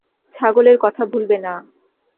ছাগলের কথা ভুলবে না।